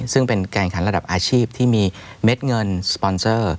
ซึ่งเป็นแกนขันระดับอาชีพที่มีเม็ดเงินสปอนเซอร์